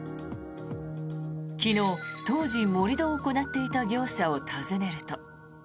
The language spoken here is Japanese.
昨日、当時盛り土を行っていた業者を訪ねると。